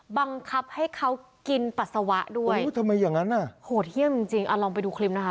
บังคับให้เขากินปัสสาวะด้วยโอ้ยทำไมอย่างนั้นโหเที่ยงจริงลองไปดูคลิปนะคะ